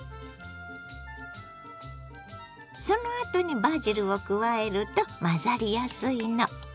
そのあとにバジルを加えると混ざりやすいの。